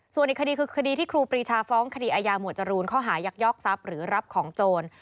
ส่วนอีกคดีคือคดีที่ครูปรีชาฟ้องคดีอายาหมวดจรูนข้อหายักยอกทรัพย์หรือรับของโจร